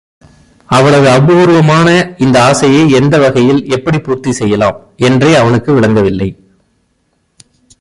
அவளது அபூர்வமான இந்த ஆசையை எந்த வகையில், எப்படிப் பூர்த்தி செய்யலாம்? என்றே அவனுக்கு விளங்கவில்லை.